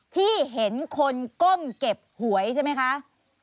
ที่เห็นคนก้มเก็บหวยใช่ไหมคะ